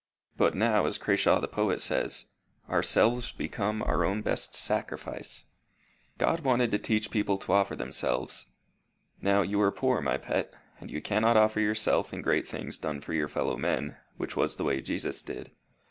But now, as Crashaw the poet says, 'Ourselves become our own best sacrifice.' God wanted to teach people to offer themselves. Now, you are poor, my pet, and you cannot offer yourself in great things done for your fellow men, which was the way Jesus did.